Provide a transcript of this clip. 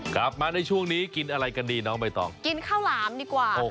กลับมาในช่วงนี้กินอะไรกันดีน้องใบตองกินข้าวหลามดีกว่า